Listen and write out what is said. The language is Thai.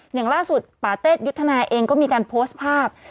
อย่างล่าสุดปาเตศยุทธนาเองก็มีการโพสต์ภาพ